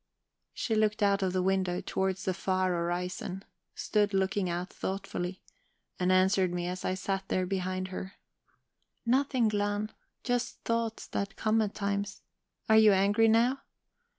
She looked out the window, towards the far horizon; stood looking out thoughtfully and answered me as I sat there behind her: "Nothing, Glahn. Just thoughts that come at times. Are you angry now?